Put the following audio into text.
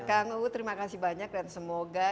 kang uu terima kasih banyak dan semoga